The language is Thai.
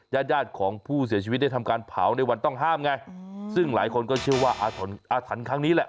ญาติญาติของผู้เสียชีวิตได้ทำการเผาในวันต้องห้ามไงซึ่งหลายคนก็เชื่อว่าอาถรรพ์ครั้งนี้แหละ